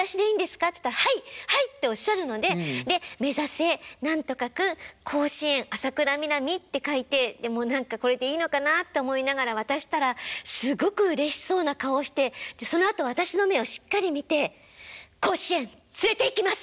っつったら「はいはい！」っておっしゃるのでで「めざせ何とか君甲子園！浅倉南」って書いてもう何かこれでいいのかなって思いながら渡したらすごくうれしそうな顔をしてそのあと私の目をしっかり見て「甲子園連れていきます！」